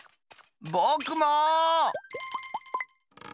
ぼくも！